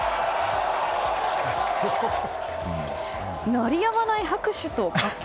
鳴りやまない拍手と喝采。